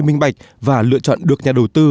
minh bạch và lựa chọn được nhà đầu tư